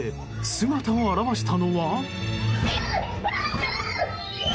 姿を現したのは。